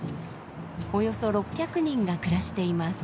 およそ６００人が暮らしています。